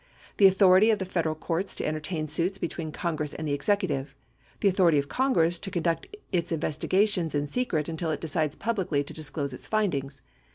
The authority of the Federal courts to entertain suits between Congress and the executive. The authority of Congress to conduct its investigations in secret until it decides publicly to disclose its findings.